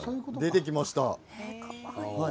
出てきました。